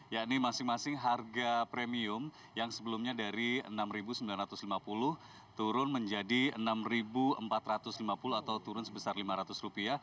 yakni masing masing harga premium yang sebelumnya dari rp enam sembilan ratus lima puluh turun menjadi rp enam empat ratus lima puluh atau turun sebesar rp lima ratus